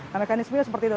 nah mekanismenya seperti itu